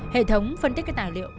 hệ thống phân tích các tài liệu